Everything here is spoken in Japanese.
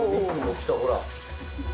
来た、ほら。